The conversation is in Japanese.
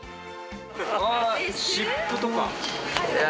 ああ湿布とか。